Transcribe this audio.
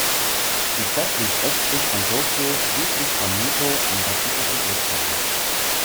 Die Stadt liegt östlich von Tokio südlich von Mito am Pazifischen Ozean.